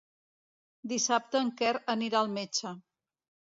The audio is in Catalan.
Dissabte en Quer anirà al metge.